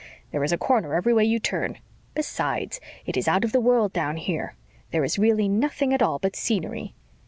There is a corner every way you turn. Besides, it is out of the world down here. There is really nothing at all but scenery."